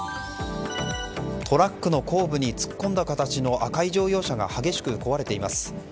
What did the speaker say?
トラックの後部に突っ込んだ形の赤い乗用車が激しく壊れています。